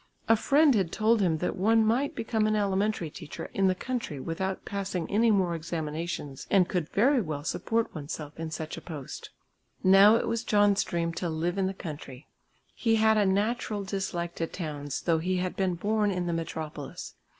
A friend had told him that one might become an elementary teacher in the country without passing any more examinations and could very well support oneself in such a post. Now it was John's dream to live in the country. He had a natural dislike to towns though he had been born in the metropolis.